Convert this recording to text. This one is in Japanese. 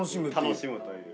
楽しむという。